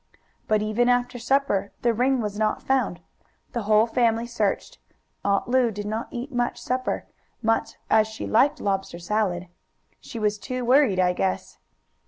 But even after supper, the ring was not found. The whole family searched. Aunt Lu did not eat much supper, much as she liked lobster salad. She was too worried, I guess.